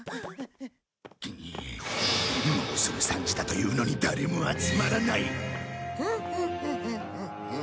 もうすぐ３時だというのに誰も集まらない。